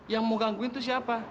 yang mau gangguin itu siapa